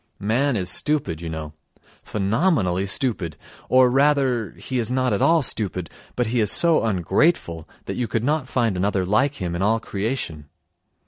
Man is stupid, you know, phenomenally stupid; or rather he is not at all stupid, but he is so ungrateful that you could not find another like him in all creation.